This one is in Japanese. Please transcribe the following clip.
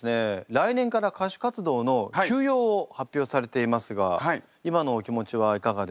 来年から歌手活動の休養を発表されていますが今のお気持ちはいかがですか？